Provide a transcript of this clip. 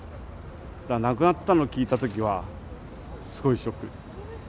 だから亡くなったのを聞いたときは、すごいショック。